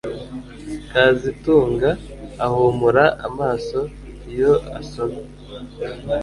kazitunga ahumura amaso iyo asomye